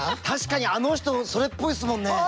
確かにあの人それっぽいですもんね。